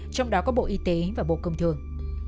trong đó có bộ y tế và bộ công thường